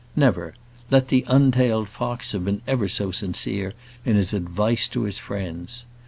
Never; let the untailed fox have been ever so sincere in his advice to his friends!